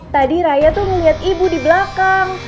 tadi raya tuh ngeliat ibu di belakang